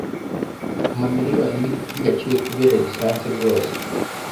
Amamiriyoni y'ibiti yaciwe kubera lisansi rwose